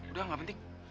udah gak penting